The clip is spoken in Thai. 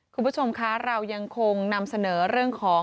คุณผู้ชมคะเรายังคงนำเสนอเรื่องของ